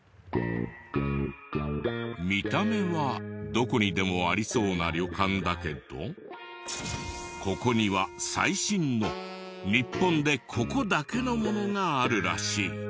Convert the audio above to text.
見た目はどこにでもありそうな旅館だけどここには最新の日本でここだけのものがあるらしい。